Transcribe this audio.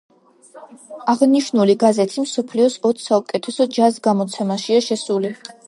აღნიშნული გაზეთი მსოფლიოს ოც საუკეთესო ჯაზ გამოცემაშია შესული.